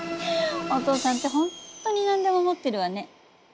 お父さんって本当に何でも持ってるわね。